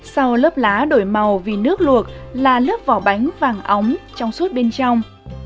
sau lớp lá đổi màu vì nước luộc là lớp vỏ bánh vàng óng trong suốt bên trong